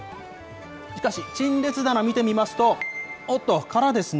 しかし、陳列棚見てみますと、おっと、空ですね。